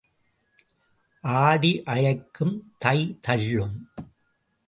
ஆடி அழைக்கும் தை தள்ளும்.